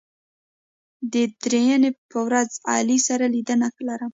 د درېنۍ په ورځ علي سره لیدنه لرم